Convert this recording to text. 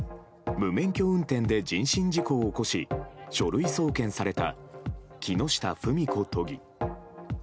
無免許運転で人身事故を起こし、書類送検された、木下富美子都議。